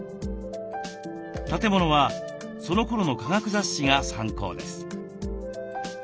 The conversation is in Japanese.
建物はそのころの科学雑誌が参考です。